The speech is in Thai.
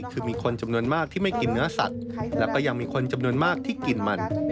คือมีคนจำนวนมากที่ไม่กินเนื้อสัตว์และก็ยังมีคนจำนวนมากที่กินมัน